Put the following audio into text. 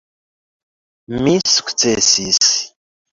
Mi sukcesis.